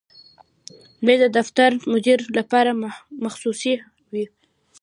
مېز د دفتر د مدیر لپاره مخصوص وي.